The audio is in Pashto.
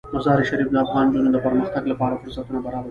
مزارشریف د افغان نجونو د پرمختګ لپاره فرصتونه برابروي.